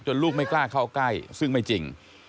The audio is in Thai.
ลูกไม่กล้าเข้าใกล้ซึ่งไม่จริง